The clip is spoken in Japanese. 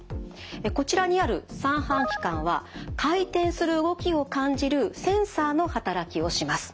こちらにある三半規管は回転する動きを感じるセンサーの働きをします。